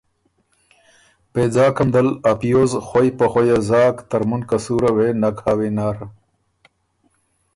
”بیځاکه م دل ا پیوز خوئ په خوَیه زاک، ترمُن قصوره وې نک هۀ وینر“